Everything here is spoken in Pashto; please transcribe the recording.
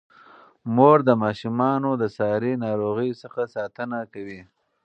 مور د ماشومانو د ساري ناروغیو څخه ساتنه کوي.